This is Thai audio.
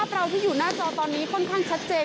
เราที่อยู่หน้าจอตอนนี้ค่อนข้างชัดเจน